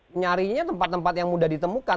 nyarinya tempat tempat yang mudah ditemukan